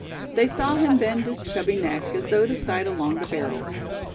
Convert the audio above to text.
They saw him bend his chubby neck, as though to sight along the barrels.